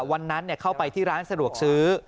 วันนั้นเข้าไปที่ร้านสะดวกซื้อ